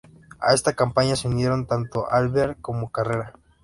A esa campaña se unieron tanto Alvear como Carrera.